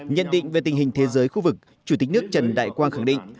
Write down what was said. nhận định về tình hình thế giới khu vực chủ tịch nước trần đại quang khẳng định